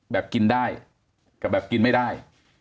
กินได้กับแบบกินไม่ได้